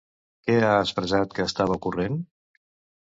Què ha expressat que estava ocorrent?